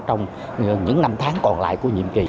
trong những năm tháng còn lại của nhiệm kỳ